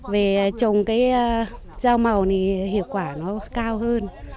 về trồng cái rau màu thì hiệu quả nó cao hơn